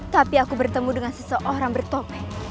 tapi aku bertemu dengan seseorang bertopeng